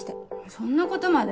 そんなことまで？